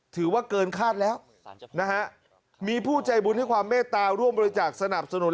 ถือว่าเกินคาดแล้วนะฮะมีผู้ใจบุญให้ความเมตตาร่วมบริจาคสนับสนุน